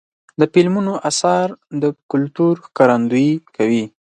د فلمونو اثار د کلتور ښکارندویي کوي.